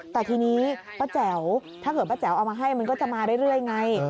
แต่ทีนี้ป้าแจ๋วถ้าเกิดป้าแจ๋วเอามาให้มันก็จะมาเรื่อยไง